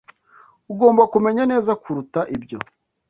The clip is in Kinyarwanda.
Ugomba kumenya neza kuruta ibyo.